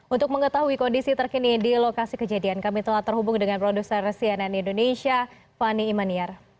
untuk mengetahui kondisi terkini di lokasi kejadian kami telah terhubung dengan produser cnn indonesia fani imaniar